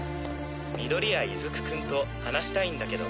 緑谷出久くんと話したいんだけど。